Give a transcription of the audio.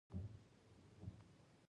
خالي غیږه او ځیګر مې وسوه، وسوه